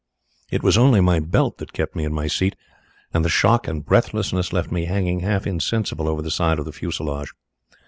It was only my belt that kept me in my seat, and the shock and breathlessness left me hanging half insensible over the side of the fuselage.